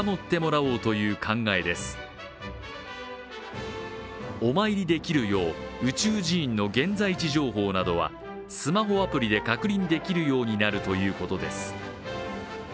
お参りできるよう宇宙寺院の現在地情報などはスマホアプリで確認できるようになるということです。